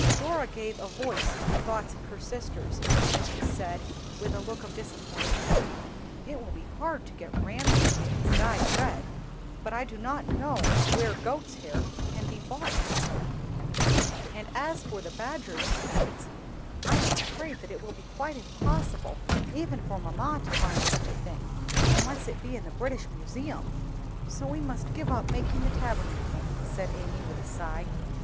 Dora gave a voice to the thoughts of her sisters when she said, with a look of disappointment, "It will be hard to get rams' skins dyed red, but I do not know where goats' hair can be bought in England; and as for the badgers' skins, I am afraid that it will be quite impossible even for mamma to find such a thing, unless it be in the British Museum." "So we must give up making the Tabernacle," said Amy, with a sigh.